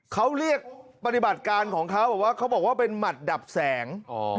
เขาเรียกปฏิบัติการของเขาบอกว่าเขาบอกว่าเป็นหมัดดับแสง